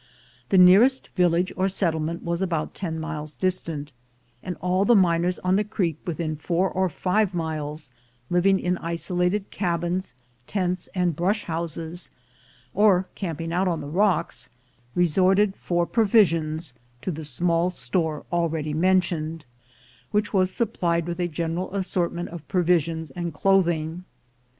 The nearest village or settlement was about ten miles distant; and all the miners on the Creek within four or five miles living in isolated cabins, tents, and brush houses, or camping out on the rocks, resorted for pro visions to the small store already mentioned, which was supplied with a general assortment of provisions and clothing.